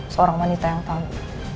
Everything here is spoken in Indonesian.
seorang wanita yang tahu